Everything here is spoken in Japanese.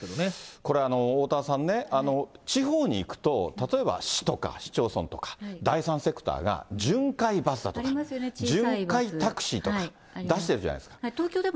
これ、おおたわさんね、地方に行くと、例えば市とか市町村とか、第三セクターが、巡回バスだとか、巡回タクシーとか出してるじゃないですか。